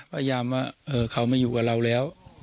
พยายามว่าเขามาอยู่กับเราแล้ว